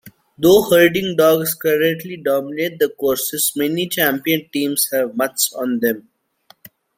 Though herding dogs currently dominate the courses, many champion teams have mutts on them.